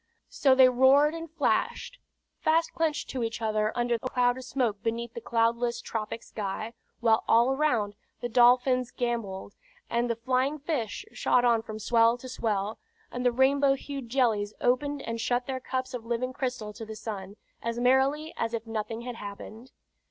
So they roared and flashed, fast clenched to each other under a cloud of smoke beneath the cloudless tropic sky; while all around, the dolphins gamboled, and the flying fish shot on from swell to swell, and the rainbow hued jellies opened and shut their cups of living crystal to the sun, as merrily as if nothing had happened.